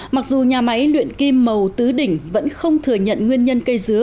mặc dù nhà máy luyện kim màu tứ đỉnh vẫn không thừa nhận nguyên nhân cây dứa